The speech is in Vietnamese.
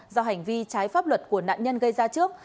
do hành vi trái pháp luật của nạn nhân gây ra trước